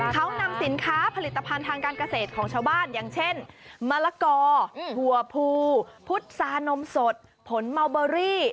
เขานำสินค้าผลิตภัณฑ์ทางการเกษตรของชาวบ้านอย่างเช่นมะละกอถั่วภูพุษานมสดผลเมาเบอรี่